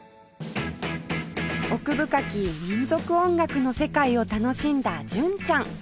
奥深き民族音楽の世界を楽しんだ純ちゃん